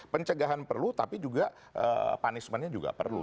pencegahan perlu tapi juga punishmentnya juga perlu